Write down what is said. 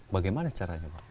bagaimana caranya pak